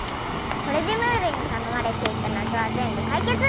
これでムールにたのまれていたなぞはぜんぶかいけつ！